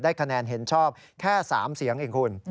คะแนนเห็นชอบแค่๓เสียงเองคุณ